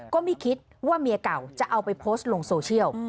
ก็ไม่คิดว่าเมียเก่าจะเอาไปโพสต์ลงโซเชียล